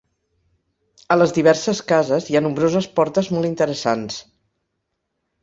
A les diverses cases hi ha nombroses portes molt interessants.